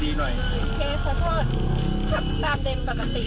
ผ่านง่ายสูง